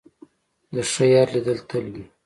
د ښه یار لیدل تل وي.